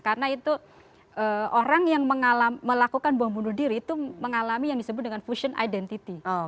karena itu orang yang melakukan bom bunuh diri itu mengalami yang disebut dengan fusion identity